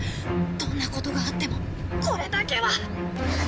どんなことがあってもこれだけは！